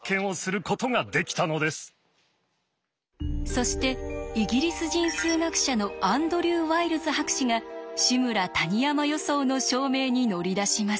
そしてイギリス人数学者のアンドリュー・ワイルズ博士が「志村−谷山予想」の証明に乗り出します。